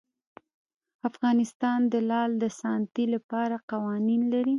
افغانستان د لعل د ساتنې لپاره قوانین لري.